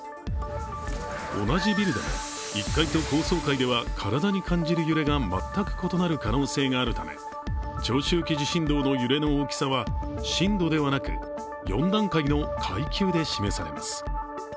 同じビルでも、１階と高層階では体に感じる揺れが全く異なる可能性があるため長周期地震動の揺れの大きさは震度ではなく４段階の階級で示されます。